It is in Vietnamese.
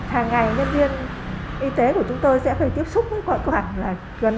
hàng ngày nhân viên y tế của chúng tôi sẽ phải tiếp xúc với khoảng